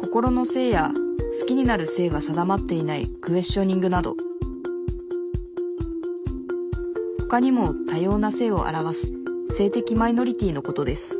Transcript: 心の性や好きになる性が定まっていないクエスチョニングなどほかにも多様な性を表す性的マイノリティーのことです